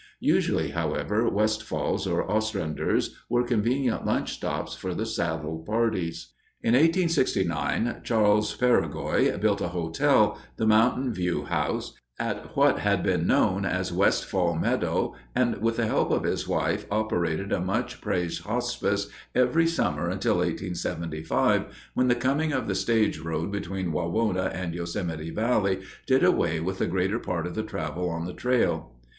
Usually, however, Westfall's or Ostrander's were convenient lunch stops for the saddle parties. In 1869, Charles Peregoy built a hotel, "The Mountain View House," at what had been known as Westfall Meadow and with the help of his wife operated a much praised hospice every summer until 1875, when the coming of the stage road between Wawona and Yosemite Valley did away with the greater part of the travel on the trail.